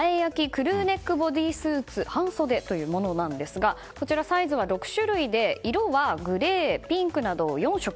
クルーネックボディスーツ半袖というものなんですがサイズは６種類で色はグレー、ピンクなど４色。